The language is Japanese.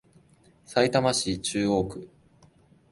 さいたま市中央区